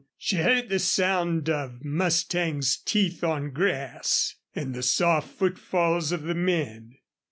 She heard the sound of mustangs' teeth on grass, and the soft footfalls of the men.